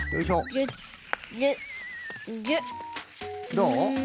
どう？